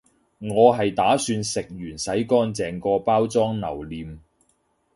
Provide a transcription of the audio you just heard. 我係打算食完洗乾淨個包裝留念